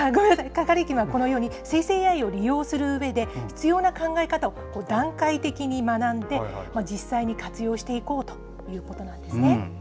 カリキュラムは、このように生成ＡＩを利用するうえで必要な考え方を段階的に学んで実際に活用していこうということなんですね。